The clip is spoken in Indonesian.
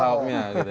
pak ahoknya gitu ya